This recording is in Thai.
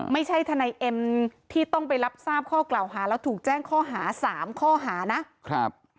ทนายเอ็มที่ต้องไปรับทราบข้อกล่าวหาแล้วถูกแจ้งข้อหาสามข้อหานะครับ